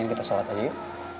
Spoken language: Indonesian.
kita sholat aja yuk